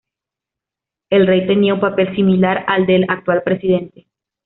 El rey tenía un papel similar al del actual presidente.